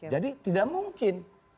jadi tidak mungkin